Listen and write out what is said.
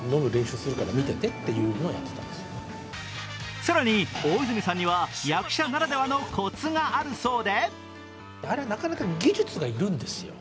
更に、大泉さんには役者ならではのコツがあるそうで。